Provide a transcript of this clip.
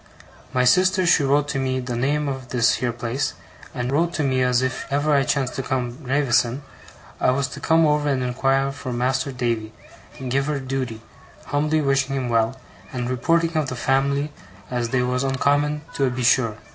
My sister she wrote to me the name of this here place, and wrote to me as if ever I chanced to come to Gravesen', I was to come over and inquire for Mas'r Davy and give her dooty, humbly wishing him well and reporting of the fam'ly as they was oncommon toe be sure.